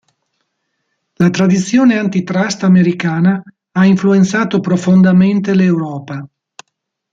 La tradizione antitrust americana ha influenzato profondamente l'Europa.